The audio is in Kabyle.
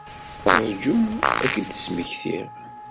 Rju ad k-d-smektiɣ.